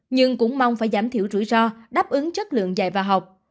nhưng cũng mong phải giảm thiểu rủi ro đáp ứng chất lượng dạy và học